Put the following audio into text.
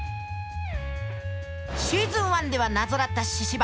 シーズン１では謎だった神々。